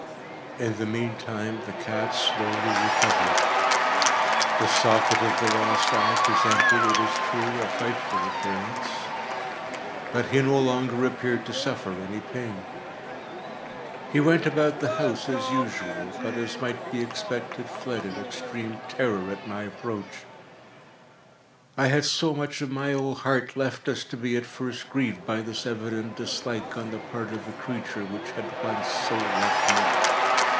In the meantime the cat slowly recovered. The socket of the lost eye presented, it is true, a frightful appearance, but he no longer appeared to suffer any pain. He went about the house as usual, but, as might be expected, fled in extreme terror at my approach. I had so much of my old heart left, as to be at first grieved by this evident dislike on the part of a creature which had once so loved me.